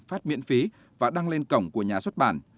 phát miễn phí và đăng lên cổng của nhà xuất bản